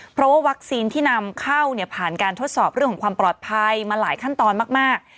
เพราะว่าวัคซีนที่นำเข้าเนี่ยผ่านการทดสอบเรื่องของความปลอดภัยมาหลายขั้นตอนมาก